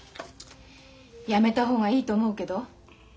やめた方がいいと思うけど。